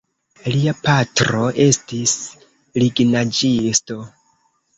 Lia patro estis lignaĵisto.